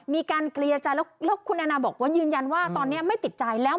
มีการเคลียร์ใจแล้วคุณแอนนาบอกว่ายืนยันว่าตอนนี้ไม่ติดใจแล้ว